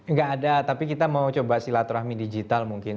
nggak ada tapi kita mau coba silaturahmi digital mungkin